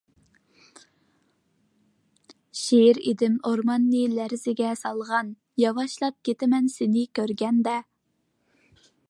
شىر ئىدىم ئورماننى لەرزىگە سالغان، ياۋاشلاپ كىتىمەن سىنى كۆرگەندە.